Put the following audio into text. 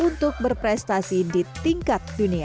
untuk berprestasi di tingkat dunia